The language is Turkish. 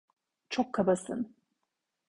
Çok kabasın!